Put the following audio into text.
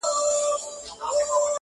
کنې پاته یې له ډلي د سیلانو,